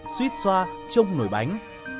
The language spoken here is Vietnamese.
suýt xoa trong nồi bánh